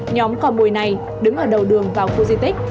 nhóm cò mồi này đứng ở đầu đường vào khu di tích